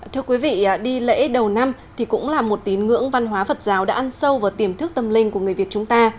thưa quý vị đi lễ đầu năm thì cũng là một tín ngưỡng văn hóa phật giáo đã ăn sâu vào tiềm thức tâm linh của người việt chúng ta